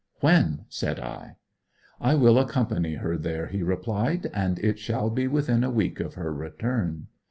'When?' said I. 'I will accompany her there,' he replied, 'and it shall be within a week of her return.